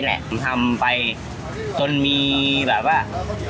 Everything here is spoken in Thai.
แต่ไม่คิดอะไร